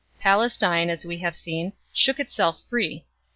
Palestine, as we have seen, shook itself free.